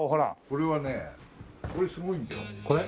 これはねこれすごいんだよ。